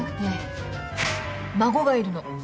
孫がいるの。